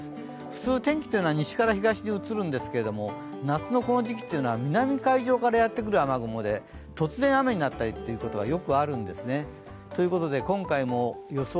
普通、天気というのは西から東に移るんですけれども、夏のこの時期は南海上からやってくる雨雲で突然雨になったりっていうことがよくあるんですね。ということで、今回予想